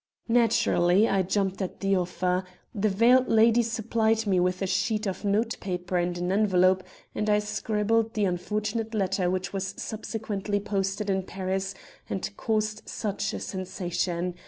"Naturally, I jumped at the offer. The veiled lady supplied me with a sheet of notepaper and an envelope, and I scribbled the unfortunate letter which was subsequently posted in Paris and caused such a sensation.